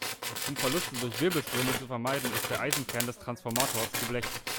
Um Verluste durch Wirbelströme zu vermeiden, ist der Eisenkern des Transformators geblecht.